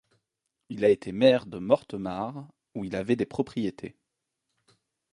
Il a été maire de Mortemart, où il avait des propriétés.